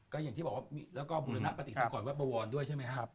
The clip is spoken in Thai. ก็อย่างที่บอกว่าแล้วก็บุรณปฏิสังกรวัดบวรด้วยใช่ไหมครับ